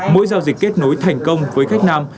mỗi giao dịch kết nối thành công với khách nam